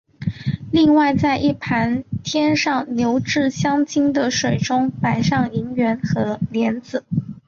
另外在一盘添上牛至香精的水中摆上银元和莲子。